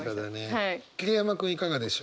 桐山君いかがでしょう？